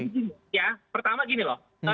ya pertama gini loh